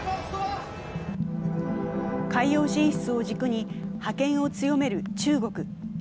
海洋進出を軸に覇権を強める中国。